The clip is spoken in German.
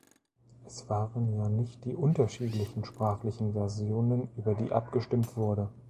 Es waren ja nicht die unterschiedlichen sprachlichen Versionen, über die abgestimmt wurde.